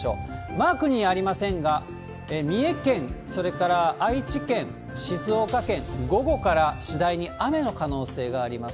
マークにありませんが、三重県、それから愛知県、静岡県、午後から次第に雨の可能性があります。